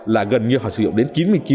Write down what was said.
là gần như họ sử dụng đến chín mươi chín